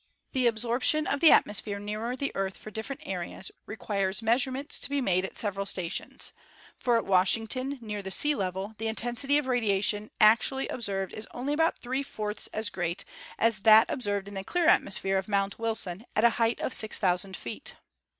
The absorption of the atmosphere nearer the Earth for different areas re quires measurements to be made at several stations, for at Washington, near the sea level, the intensity of radiation actually observed is only about three fourths as great as that observed in the clear atmosphere of Mount Wilson, at a height of 6,000 feet.